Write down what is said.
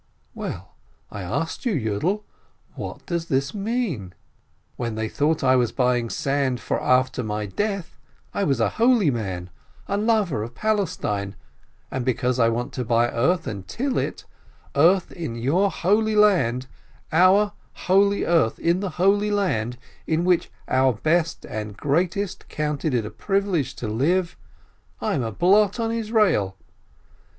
"Well, I ask you, Yiidel, what does this mean ? When they thought I was buying sand for after my death, I was a holy man, a lover of Palestine, and because I want to buy earth and till it, earth in your Holy Land, our holy earth in the Holy Land, in which our best and greatest counted it a privilege to live, I am a blot on Israel.